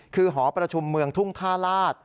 คือหอประชุมเมืองทุ่งท่าลาศ